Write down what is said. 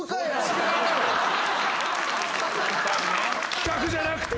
企画じゃなくて？